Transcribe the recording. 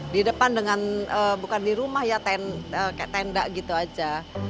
di depan dengan bukan di rumah ya kayak tenda gitu aja